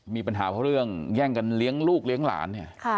มีปัญหาเพราะเรื่องแย่งกันเลี้ยงลูกเลี้ยงหลานเนี่ย